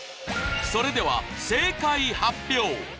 それでは正解発表！